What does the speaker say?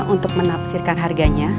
untuk menafsirkan harganya